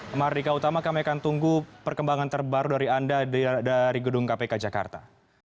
mardika utama kami akan tunggu perkembangan terbaru dari anda dari gedung kpk jakarta